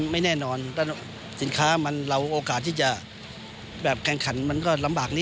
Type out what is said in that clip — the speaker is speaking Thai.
การขนส่งทางรางจะทำให้ผู้ประกอบการหลดต้นทุนด้านการขนส่ง